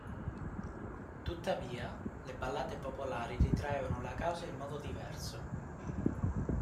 Tuttavia, le ballate popolari ritraevano la causa in modo diverso.